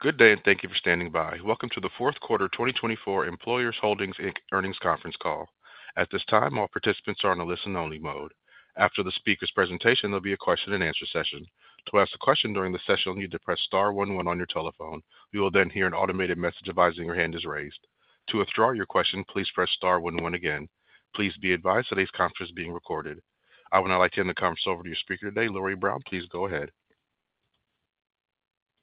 Good day, and thank you for standing by. Welcome to the Fourth Quarter 2024 Employers Holdings Earnings Conference Call. At this time, all participants are on a listen-only mode. After the speaker's presentation, there'll be a question-and-answer session. To ask a question during the session, you need to press star one one on your telephone. You will then hear an automated message advising your hand is raised. To withdraw your question, please press star one one again. Please be advised today's conference is being recorded. I will now like to hand the conference over to your speaker today, Lori Brown. Please go ahead.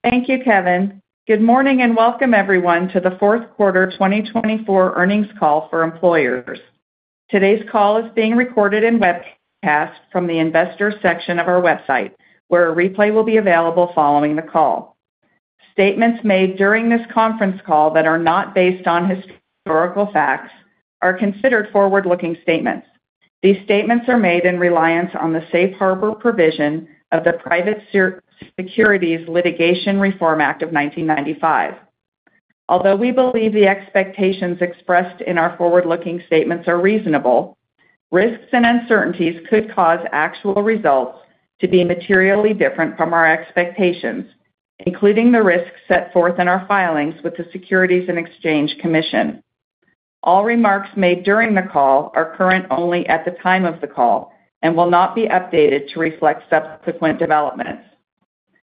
Thank you, Kevin. Good morning and welcome, everyone, to the Fourth Quarter 2024 Earnings Call for Employers. Today's call is being recorded and webcast from the Investor Section of our website, where a replay will be available following the call. Statements made during this conference call that are not based on historical facts are considered forward-looking statements. These statements are made in reliance on the safe harbor provision of the Private Securities Litigation Reform Act of 1995. Although we believe the expectations expressed in our forward-looking statements are reasonable, risks and uncertainties could cause actual results to be materially different from our expectations, including the risks set forth in our filings with the Securities and Exchange Commission. All remarks made during the call are current only at the time of the call and will not be updated to reflect subsequent developments.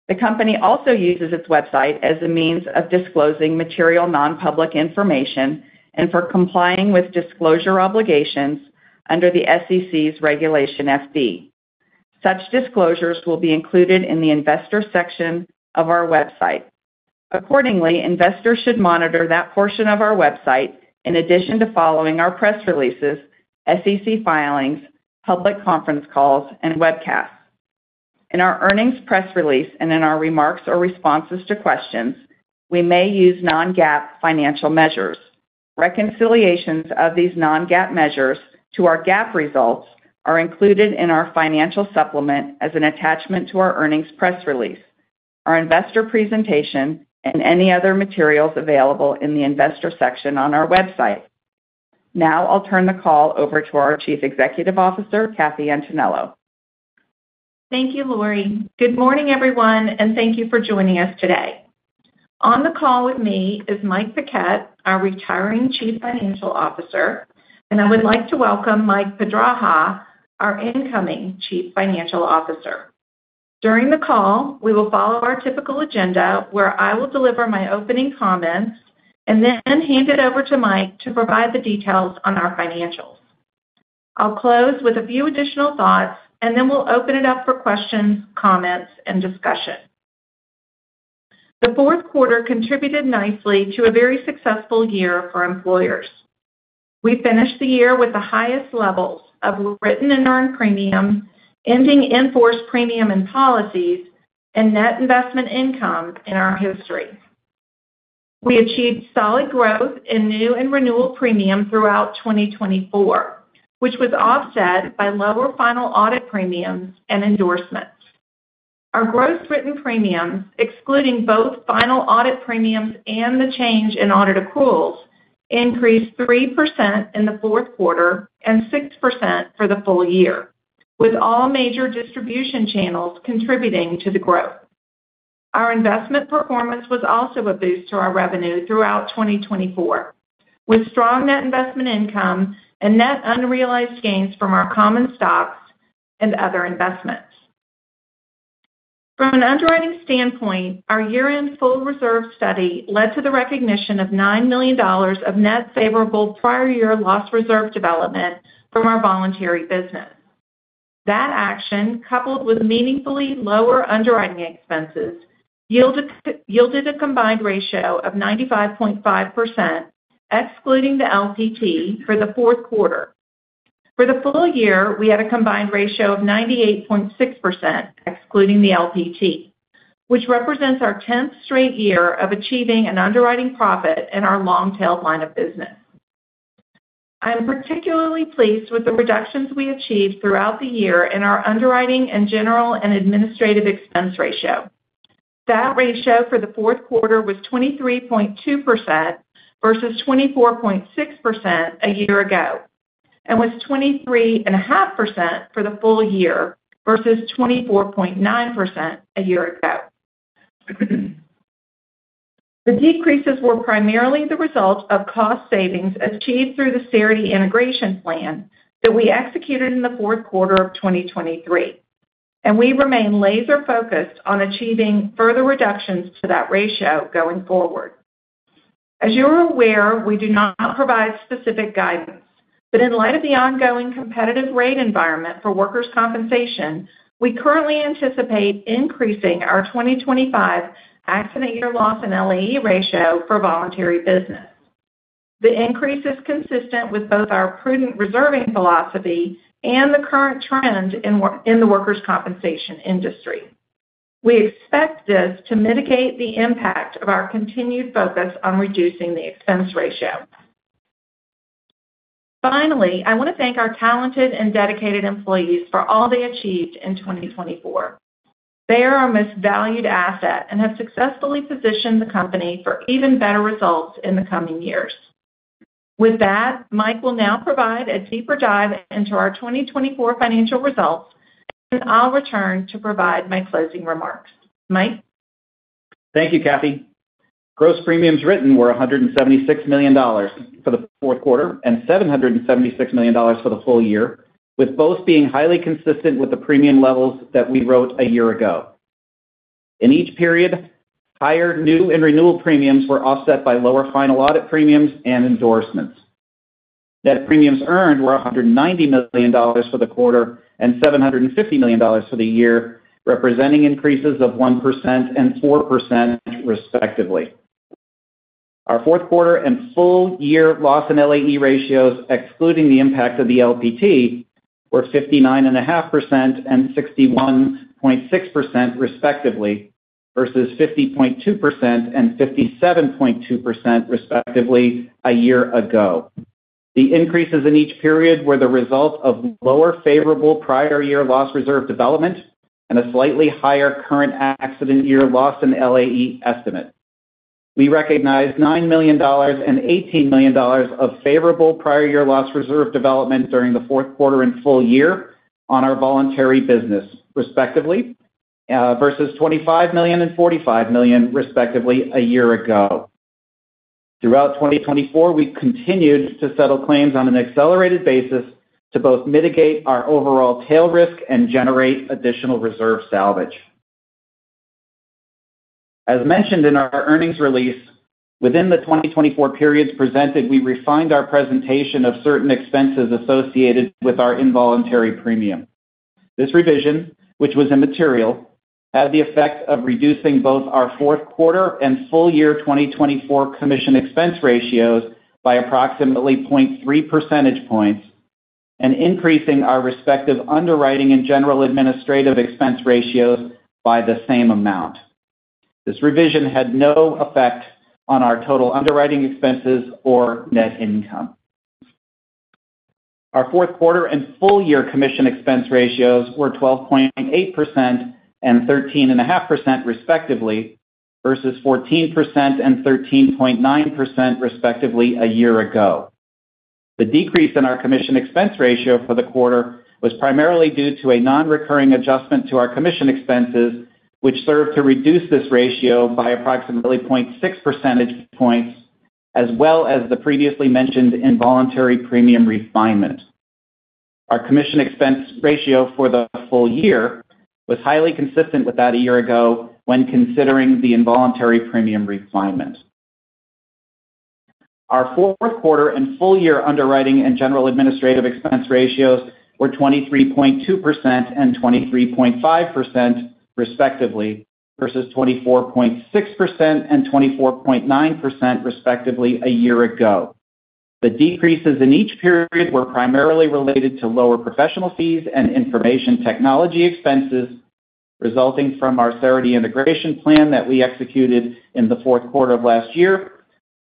The company also uses its website as a means of disclosing material non-public information and for complying with disclosure obligations under the SEC's Regulation FD. Such disclosures will be included in the Investor Section of our website. Accordingly, investors should monitor that portion of our website in addition to following our press releases, SEC filings, public conference calls, and webcasts. In our earnings press release and in our remarks or responses to questions, we may use non-GAAP financial measures. Reconciliations of these non-GAAP measures to our GAAP results are included in our financial supplement as an attachment to our earnings press release, our investor presentation, and any other materials available in the Investor Section on our website. Now I'll turn the call over to our Chief Executive Officer, Kathy Antonello. Thank you, Lori. Good morning, everyone, and thank you for joining us today. On the call with me is Mike Paquette, our retiring Chief Financial Officer, and I would like to welcome Mike Pedraja, our incoming Chief Financial Officer. During the call, we will follow our typical agenda, where I will deliver my opening comments and then hand it over to Mike to provide the details on our financials. I'll close with a few additional thoughts, and then we'll open it up for questions, comments, and discussion. The fourth quarter contributed nicely to a very successful year for Employers. We finished the year with the highest levels of written and earned premium, ending in force premium and policies, and net investment income in our history. We achieved solid growth in new and renewal premium throughout 2024, which was offset by lower final audit premiums and endorsements. Our gross written premiums, excluding both final audit premiums and the change in audit accruals, increased 3% in the fourth quarter and 6% for the full year, with all major distribution channels contributing to the growth. Our investment performance was also a boost to our revenue throughout 2024, with strong net investment income and net unrealized gains from our common stocks and other investments. From an underwriting standpoint, our year-end full reserve study led to the recognition of $9 million of net favorable prior year loss reserve development from our voluntary business. That action, coupled with meaningfully lower underwriting expenses, yielded a combined ratio of 95.5%, excluding the LPT, for the fourth quarter. For the full year, we had a combined ratio of 98.6%, excluding the LPT, which represents our 10th straight year of achieving an underwriting profit in our long-tailed line of business. I'm particularly pleased with the reductions we achieved throughout the year in our underwriting and general and administrative expense ratio. That ratio for the fourth quarter was 23.2% versus 24.6% a year ago, and was 23.5% for the full year versus 24.9% a year ago. The decreases were primarily the result of cost savings achieved through the Cerity integration plan that we executed in the fourth quarter of 2023, and we remain laser-focused on achieving further reductions to that ratio going forward. As you are aware, we do not provide specific guidance, but in light of the ongoing competitive rate environment for workers' compensation, we currently anticipate increasing our 2025 accident year loss and LAE ratio for voluntary business. The increase is consistent with both our prudent reserving philosophy and the current trend in the workers' compensation industry. We expect this to mitigate the impact of our continued focus on reducing the expense ratio. Finally, I want to thank our talented and dedicated employees for all they achieved in 2024. They are our most valued asset and have successfully positioned the company for even better results in the coming years. With that, Mike will now provide a deeper dive into our 2024 financial results, and I'll return to provide my closing remarks. Mike. Thank you, Kathy. Gross premiums written were $176 million for the fourth quarter and $776 million for the full year, with both being highly consistent with the premium levels that we wrote a year ago. In each period, higher new and renewal premiums were offset by lower final audit premiums and endorsements. Net premiums earned were $190 million for the quarter and $750 million for the year, representing increases of 1% and 4%, respectively. Our fourth quarter and full year loss and LAE ratios, excluding the impact of the LPT, were 59.5% and 61.6%, respectively, versus 50.2% and 57.2%, respectively, a year ago. The increases in each period were the result of lower favorable prior year loss reserve development and a slightly higher current accident year loss and LAE estimate. We recognize $9 million and $18 million of favorable prior year loss reserve development during the fourth quarter and full year on our voluntary business, respectively, versus $25 million and $45 million, respectively, a year ago. Throughout 2024, we continued to settle claims on an accelerated basis to both mitigate our overall tail risk and generate additional reserve salvage. As mentioned in our earnings release, within the 2024 periods presented, we refined our presentation of certain expenses associated with our involuntary premium. This revision, which was immaterial, had the effect of reducing both our fourth quarter and full year 2024 commission expense ratios by approximately 0.3 percentage points and increasing our respective underwriting and general administrative expense ratios by the same amount. This revision had no effect on our total underwriting expenses or net income. Our fourth quarter and full year commission expense ratios were 12.8% and 13.5%, respectively, versus 14% and 13.9%, respectively, a year ago. The decrease in our commission expense ratio for the quarter was primarily due to a non-recurring adjustment to our commission expenses, which served to reduce this ratio by approximately 0.6 percentage points, as well as the previously mentioned involuntary premium refinement. Our commission expense ratio for the full year was highly consistent with that a year ago when considering the involuntary premium refinement. Our fourth quarter and full year underwriting and general administrative expense ratios were 23.2% and 23.5%, respectively, versus 24.6% and 24.9%, respectively, a year ago. The decreases in each period were primarily related to lower professional fees and information technology expenses resulting from our Cerity integration plan that we executed in the fourth quarter of last year,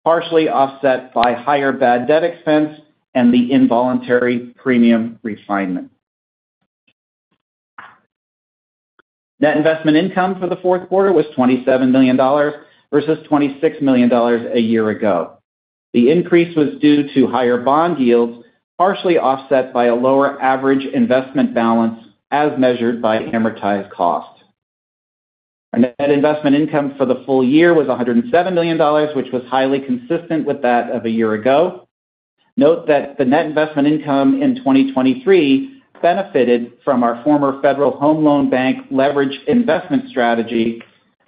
partially offset by higher bad debt expense and the involuntary premium refinement. Net investment income for the fourth quarter was $27 million versus $26 million a year ago. The increase was due to higher bond yields, partially offset by a lower average investment balance as measured by amortized cost. Our net investment income for the full year was $107 million, which was highly consistent with that of a year ago. Note that the net investment income in 2023 benefited from our former Federal Home Loan Bank leverage investment strategy,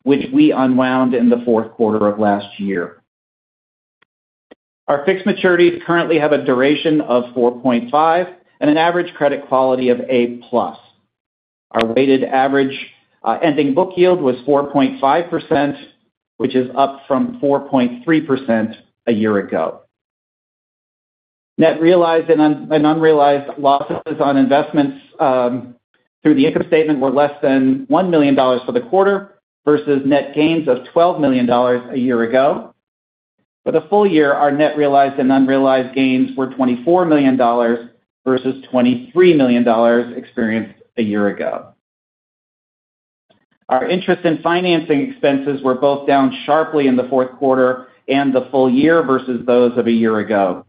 which we unwound in the fourth quarter of last year. Our fixed maturities currently have a duration of 4.5 and an average credit quality of A+. Our weighted average ending book yield was 4.5%, which is up from 4.3% a year ago. Net realized and unrealized losses on investments through the income statement were less than $1 million for the quarter versus net gains of $12 million a year ago. For the full year, our net realized and unrealized gains were $24 million versus $23 million experienced a year ago. Our interest and financing expenses were both down sharply in the fourth quarter and the full year versus those of a year ago.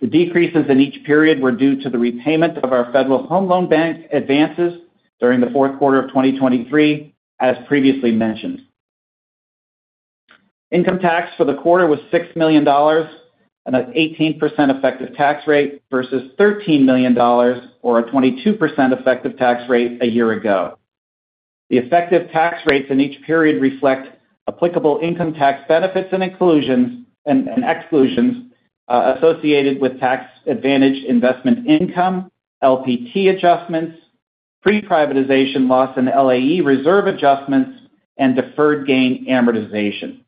The decreases in each period were due to the repayment of our Federal Home Loan Bank advances during the fourth quarter of 2023, as previously mentioned. Income tax for the quarter was $6 million at an 18% effective tax rate versus $13 million, or a 22% effective tax rate a year ago. The effective tax rates in each period reflect applicable income tax benefits and exclusions associated with tax-advantaged investment income, LPT adjustments, pre-privatization loss and LAE reserve adjustments, and deferred gain amortization.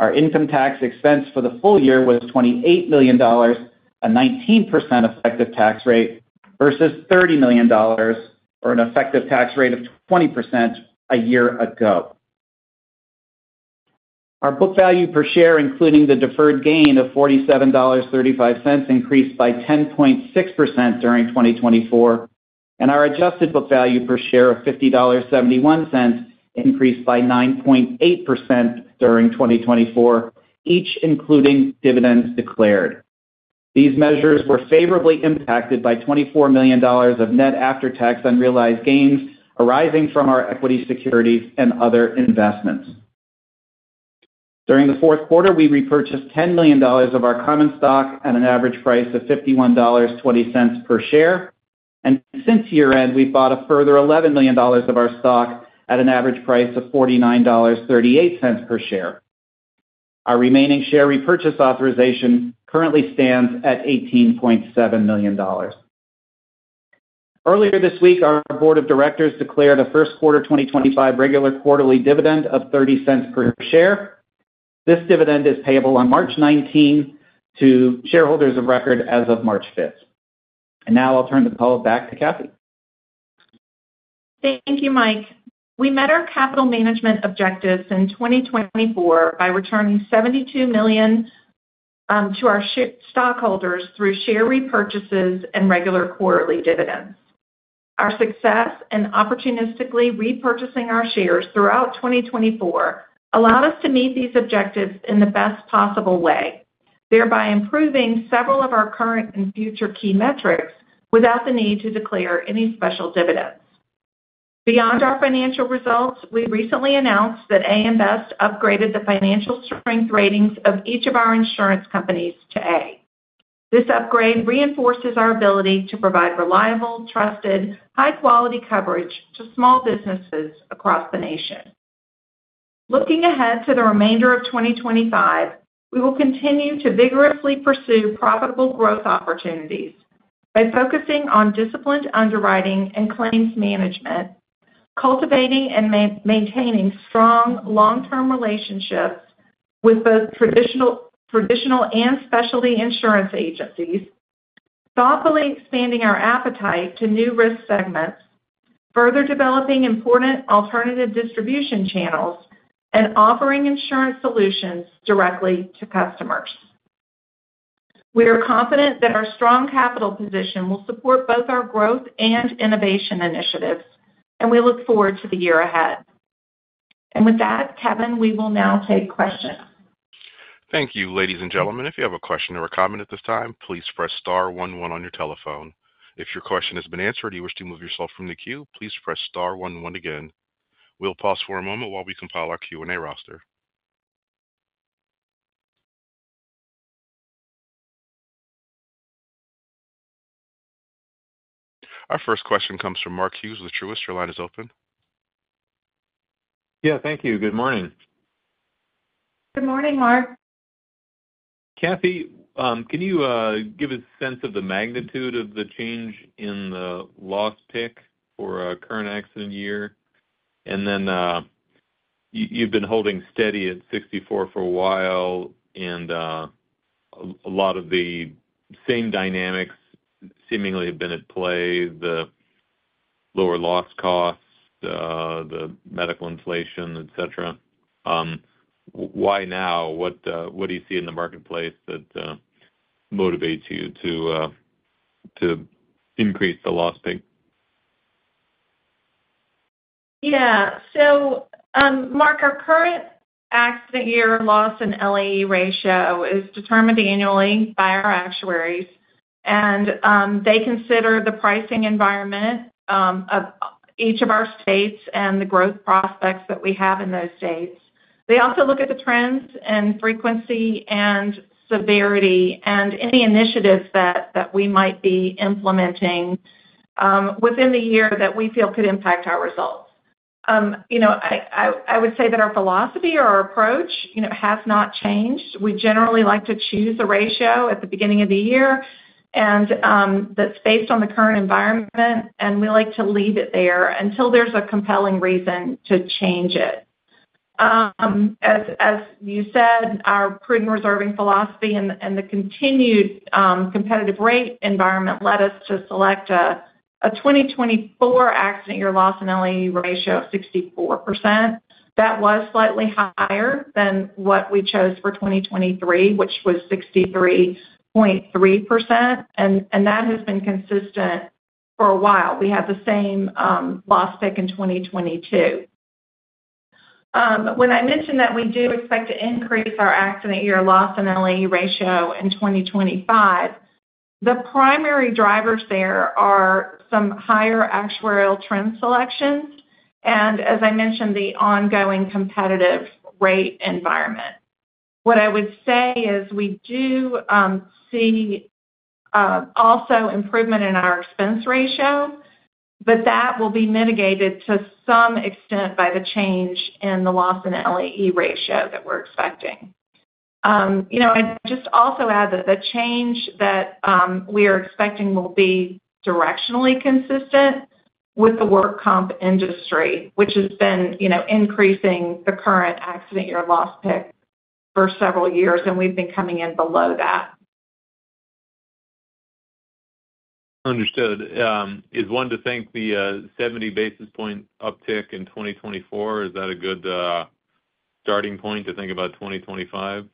Our income tax expense for the full year was $28 million, a 19% effective tax rate, versus $30 million, or an effective tax rate of 20% a year ago. Our book value per share, including the deferred gain of $47.35, increased by 10.6% during 2024, and our adjusted book value per share of $50.71, increased by 9.8% during 2024, each including dividends declared. These measures were favorably impacted by $24 million of net after-tax unrealized gains arising from our equity securities and other investments. During the fourth quarter, we repurchased $10 million of our common stock at an average price of $51.20 per share, and since year-end, we've bought a further $11 million of our stock at an average price of $49.38 per share. Our remaining share repurchase authorization currently stands at $18.7 million. Earlier this week, our board of directors declared a first quarter 2025 regular quarterly dividend of $0.30 per share. This dividend is payable on March 19th to shareholders of record as of March 5th. And now I'll turn the call back to Kathy. Thank you, Mike. We met our capital management objectives in 2024 by returning $72 million to our stockholders through share repurchases and regular quarterly dividends. Our success in opportunistically repurchasing our shares throughout 2024 allowed us to meet these objectives in the best possible way, thereby improving several of our current and future key metrics without the need to declare any special dividends. Beyond our financial results, we recently announced that AM Best upgraded the financial strength ratings of each of our insurance companies to A. This upgrade reinforces our ability to provide reliable, trusted, high-quality coverage to small businesses across the nation. Looking ahead to the remainder of 2025, we will continue to vigorously pursue profitable growth opportunities by focusing on disciplined underwriting and claims management, cultivating and maintaining strong long-term relationships with both traditional and specialty insurance agencies, thoughtfully expanding our appetite to new risk segments, further developing important alternative distribution channels, and offering insurance solutions directly to customers. We are confident that our strong capital position will support both our growth and innovation initiatives, and we look forward to the year ahead. And with that, Kevin, we will now take questions. Thank you, ladies and gentlemen. If you have a question or a comment at this time, please press star one one on your telephone. If your question has been answered and you wish to move yourself from the queue, please press star one one again. We'll pause for a moment while we compile our Q&A roster. Our first question comes from Mark Hughes with Truist. Your line is open. Yeah, thank you. Good morning. Good morning, Mark. Kathy, can you give a sense of the magnitude of the change in the loss pick for a current accident year? And then you've been holding steady at 64 for a while, and a lot of the same dynamics seemingly have been at play: the lower loss costs, the medical inflation, etc. Why now? What do you see in the marketplace that motivates you to increase the loss pick? Yeah. So, Mark, our current accident year loss and LAE ratio is determined annually by our actuaries, and they consider the pricing environment of each of our states and the growth prospects that we have in those states. They also look at the trends and frequency and severity and any initiatives that we might be implementing within the year that we feel could impact our results. I would say that our philosophy or our approach has not changed. We generally like to choose a ratio at the beginning of the year, and that's based on the current environment, and we like to leave it there until there's a compelling reason to change it. As you said, our prudent reserving philosophy and the continued competitive rate environment led us to select a 2024 accident year loss and LAE ratio of 64%. That was slightly higher than what we chose for 2023, which was 63.3%, and that has been consistent for a while. We had the same loss pick in 2022. When I mentioned that we do expect to increase our accident year loss and LAE ratio in 2025, the primary drivers there are some higher actuarial trend selections and, as I mentioned, the ongoing competitive rate environment. What I would say is we do see also improvement in our expense ratio, but that will be mitigated to some extent by the change in the loss and LAE ratio that we're expecting. I'd just also add that the change that we are expecting will be directionally consistent with the work comp industry, which has been increasing the current accident year loss pick for several years, and we've been coming in below that. Understood. Is it safe to think the 70 basis points uptick in 2024? Is that a good starting point to think about 2025?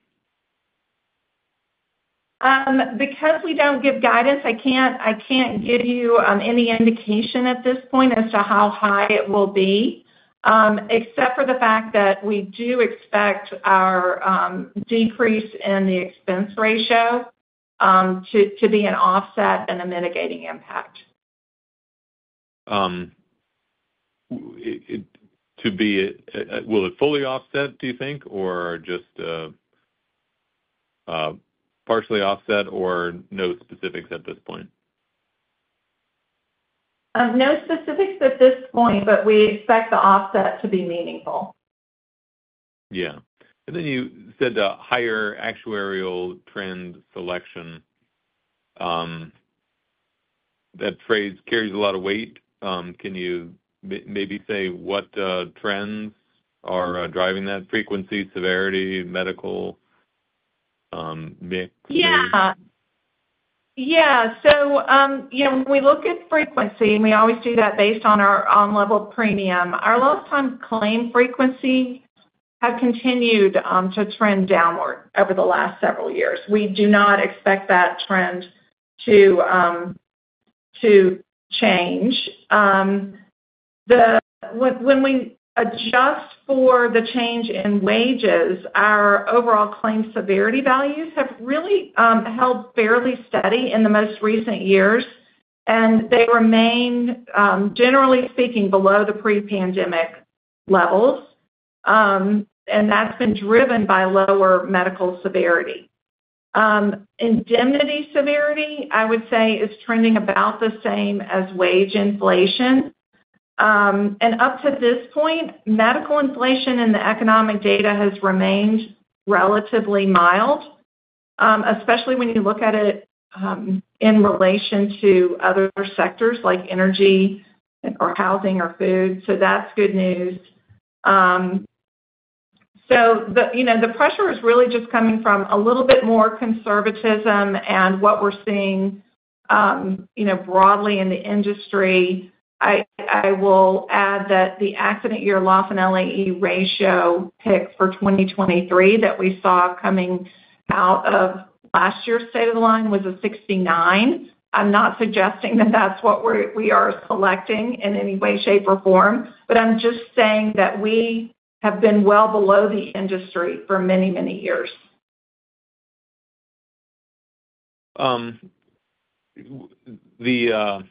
Because we don't give guidance, I can't give you any indication at this point as to how high it will be, except for the fact that we do expect our decrease in the expense ratio to be an offset and a mitigating impact. Will it fully offset, do you think, or just partially offset or no specifics at this point? No specifics at this point, but we expect the offset to be meaningful. Yeah, and then you said the higher actuarial trend selection. That phrase carries a lot of weight. Can you maybe say what trends are driving that? Frequency, severity, medical mix? Yeah. Yeah. So when we look at frequency, and we always do that based on our on-level premium, our lifetime claim frequency has continued to trend downward over the last several years. We do not expect that trend to change. When we adjust for the change in wages, our overall claim severity values have really held fairly steady in the most recent years, and they remain, generally speaking, below the pre-pandemic levels, and that's been driven by lower medical severity. Indemnity severity, I would say, is trending about the same as wage inflation. And up to this point, medical inflation and the economic data has remained relatively mild, especially when you look at it in relation to other sectors like energy or housing or food. So that's good news. So the pressure is really just coming from a little bit more conservatism and what we're seeing broadly in the industry. I will add that the accident year loss and LAE ratio pick for 2023 that we saw coming out of last year's State of the Line was a 69%. I'm not suggesting that that's what we are selecting in any way, shape, or form, but I'm just saying that we have been well below the industry for many, many years. The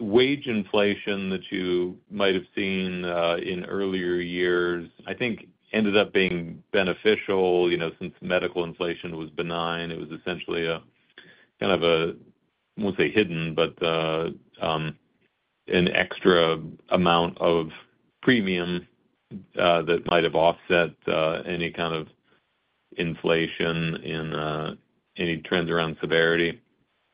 wage inflation that you might have seen in earlier years, I think, ended up being beneficial since medical inflation was benign. It was essentially a kind of a, I won't say hidden, but an extra amount of premium that might have offset any kind of inflation in any trends around severity.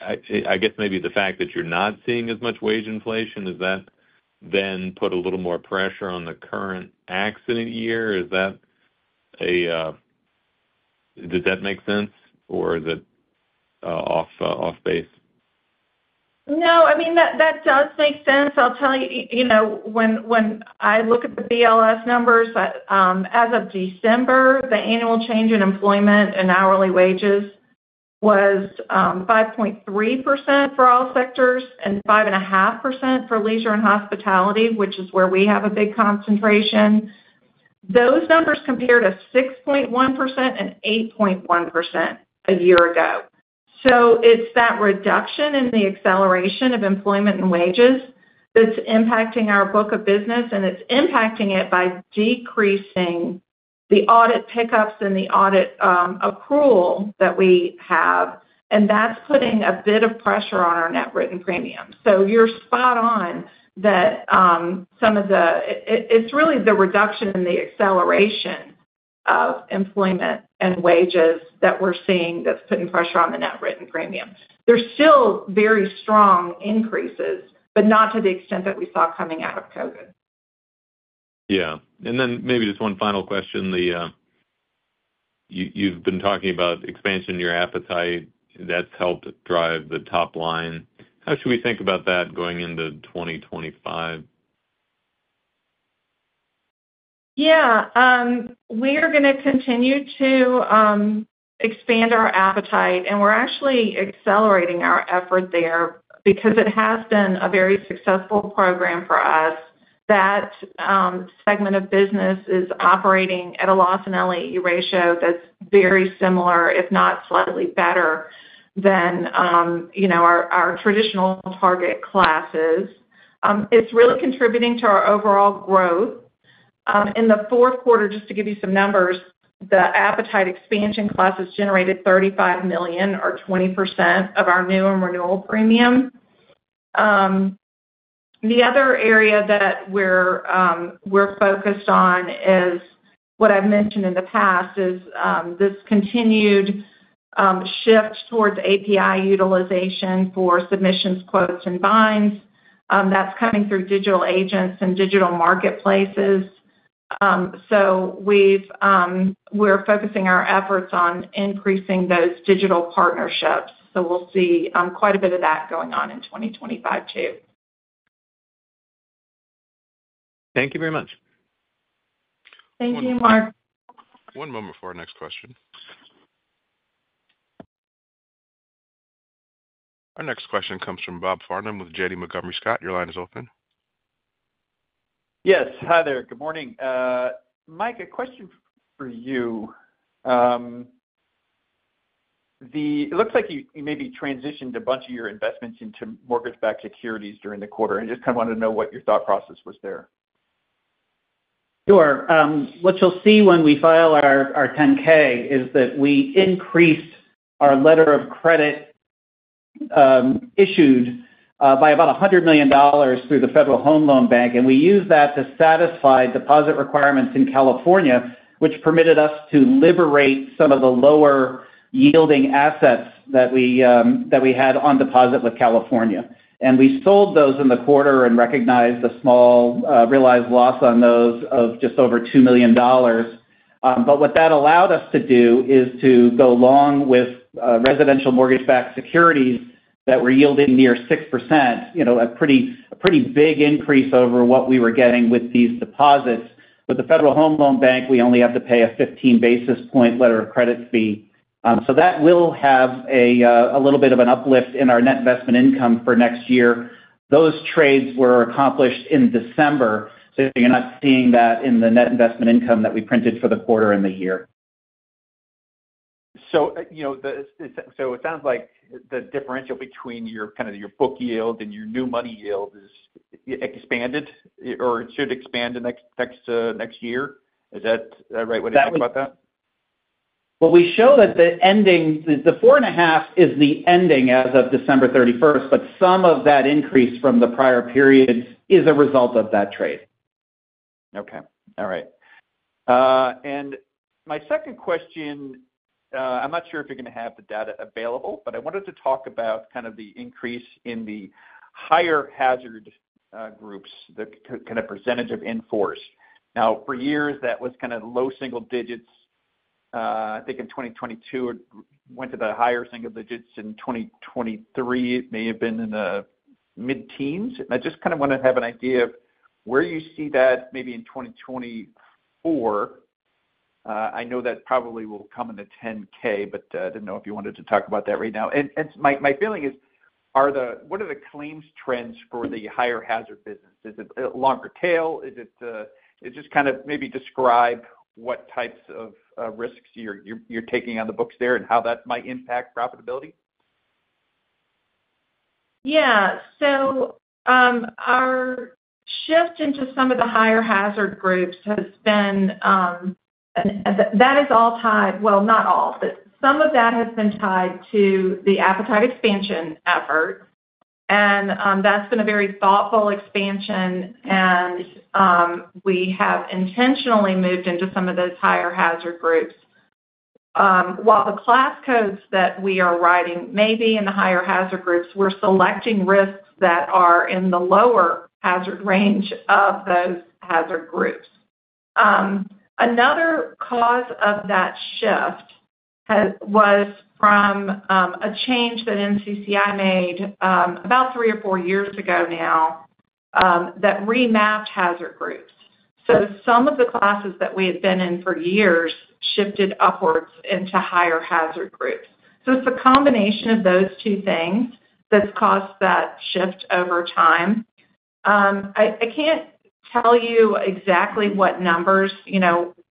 I guess maybe the fact that you're not seeing as much wage inflation, does that then put a little more pressure on the current accident year? Does that make sense, or is it off base? No. I mean, that does make sense. I'll tell you, when I look at the BLS numbers, as of December, the annual change in employment and hourly wages was 5.3% for all sectors and 5.5% for leisure and hospitality, which is where we have a big concentration. Those numbers compared to 6.1% and 8.1% a year ago. So it's that reduction in the acceleration of employment and wages that's impacting our book of business, and it's impacting it by decreasing the audit pickups and the audit accrual that we have, and that's putting a bit of pressure on our net written premium. So you're spot on that some of the. It's really the reduction in the acceleration of employment and wages that we're seeing that's putting pressure on the net written premium. There's still very strong increases, but not to the extent that we saw coming out of COVID. Yeah. And then maybe just one final question. You've been talking about expansion in your appetite. That's helped drive the top line. How should we think about that going into 2025? Yeah. We are going to continue to expand our appetite, and we're actually accelerating our effort there because it has been a very successful program for us. That segment of business is operating at a loss and LAE ratio that's very similar, if not slightly better, than our traditional target classes. It's really contributing to our overall growth. In the fourth quarter, just to give you some numbers, the appetite expansion class has generated $35 million, or 20% of our new and renewal premium. The other area that we're focused on is what I've mentioned in the past, is this continued shift towards API utilization for submissions, quotes, and binds. That's coming through digital agents and digital marketplaces. So we're focusing our efforts on increasing those digital partnerships. So we'll see quite a bit of that going on in 2025 too. Thank you very much. Thank you, Mark. One moment for our next question. Our next question comes from Bob Farnam with Janney Montgomery Scott. Your line is open. Yes. Hi there. Good morning. Mike, a question for you. It looks like you maybe transitioned a bunch of your investments into mortgage-backed securities during the quarter, and just kind of wanted to know what your thought process was there. Sure. What you'll see when we file our 10-K is that we increased our letter of credit issued by about $100 million through the Federal Home Loan Bank, and we used that to satisfy deposit requirements in California, which permitted us to liberate some of the lower-yielding assets that we had on deposit with California, and we sold those in the quarter and recognized a small realized loss on those of just over $2 million, but what that allowed us to do is to go long with residential mortgage-backed securities that were yielding near 6%, a pretty big increase over what we were getting with these deposits. With the Federal Home Loan Bank, we only have to pay a 15 basis point letter of credit fee, so that will have a little bit of an uplift in our net investment income for next year. Those trades were accomplished in December, so you're not seeing that in the net investment income that we printed for the quarter and the year. So it sounds like the differential between kind of your book yield and your new money yield has expanded, or it should expand next year. Is that right? What do you think about that? Well, we show that the ending, the 4.5 is the ending as of December 31st, but some of that increase from the prior period is a result of that trade. Okay. All right. And my second question, I'm not sure if you're going to have the data available, but I wanted to talk about kind of the increase in the higher hazard groups, the kind of percentage of in-force. Now, for years, that was kind of low single digits. I think in 2022, it went to the higher single digits. In 2023, it may have been in the mid-teens. And I just kind of want to have an idea of where you see that maybe in 2024. I know that probably will come in the 10-K, but I didn't know if you wanted to talk about that right now. And my feeling is, what are the claims trends for the higher hazard business? Is it a longer tail? Is it - just kind of maybe describe what types of risks you're taking on the books there and how that might impact profitability? Yeah. So our shift into some of the higher hazard groups has been, that is all tied, well, not all, but some of that has been tied to the appetite expansion effort. That's been a very thoughtful expansion, and we have intentionally moved into some of those higher hazard groups. While the class codes that we are writing may be in the higher hazard groups, we're selecting risks that are in the lower hazard range of those hazard groups. Another cause of that shift was from a change that NCCI made about three or four years ago now that remapped hazard groups. So it's the combination of those two things that's caused that shift over time. I can't tell you exactly what numbers,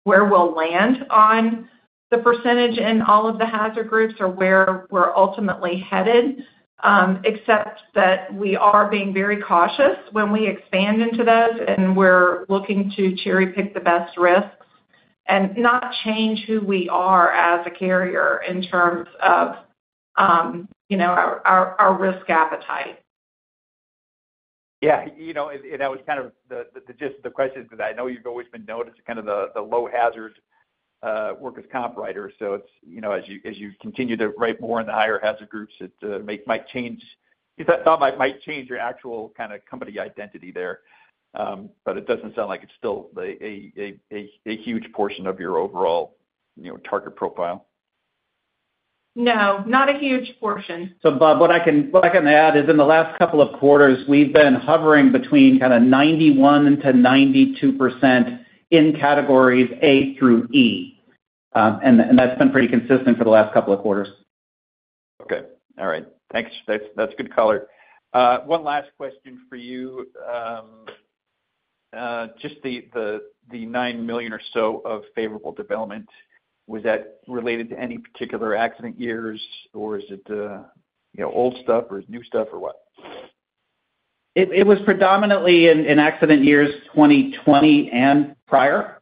where we'll land on the percentage in all of the hazard groups or where we're ultimately headed, except that we are being very cautious when we expand into those, and we're looking to cherry-pick the best risks and not change who we are as a carrier in terms of our risk appetite. Yeah, and that was kind of just the question because I know you've always been known as kind of the low-hazard workers' comp writer. So as you continue to write more in the higher hazard groups, it might change, you thought it might change your actual kind of company identity there, but it doesn't sound like it's still a huge portion of your overall target profile. No. Not a huge portion. So Bob, what I can add is in the last couple of quarters, we've been hovering between kind of 91% to 92% in categories A through E, and that's been pretty consistent for the last couple of quarters. Okay. All right. Thanks. That's good color. One last question for you. Just the $9 million or so of favorable development, was that related to any particular accident years, or is it old stuff, or is it new stuff, or what? It was predominantly in accident years 2020 and prior,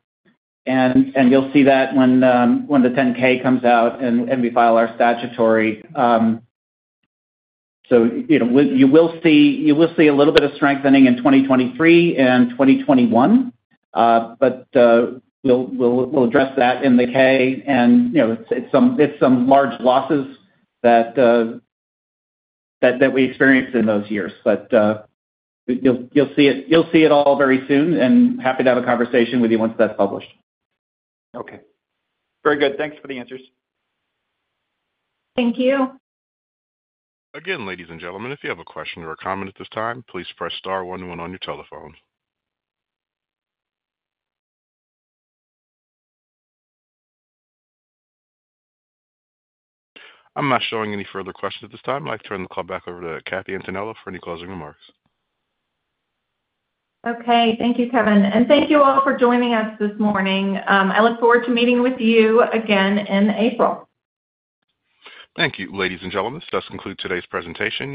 and you'll see that when the 10-K comes out and we file our statutory. So you will see a little bit of strengthening in 2023 and 2021, but we'll address that in the K. And it's some large losses that we experienced in those years, but you'll see it all very soon, and happy to have a conversation with you once that's published. Okay. Very good. Thanks for the answers. Thank you. Again, ladies and gentlemen, if you have a question or a comment at this time, please press star one one when on your telephone. I'm not showing any further questions at this time. I'd like to turn the call back over to Kathy Antonello for any closing remarks. Okay. Thank you, Kevin. And thank you all for joining us this morning. I look forward to meeting with you again in April. Thank you, ladies and gentlemen. This does conclude today's presentation.